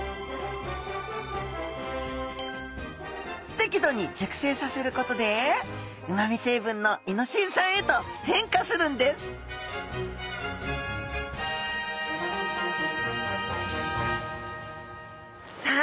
適度に熟成させることでうまみ成分のイノシン酸へと変化するんですさあ